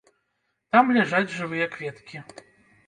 Там ляжаць жывыя кветкі.